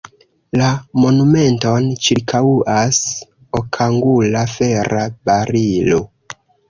La monumenton ĉirkaŭas okangula, fera barilo.